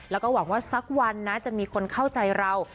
แล้วก็หวังว่าสักวันนะจะมีคนเข้าใจเรา